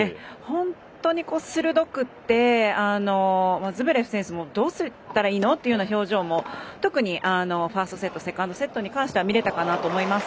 本当に鋭くてズベレフ選手もどうすればいいの？という表情も特に、ファーストセットセカンドセットには見られたと思います。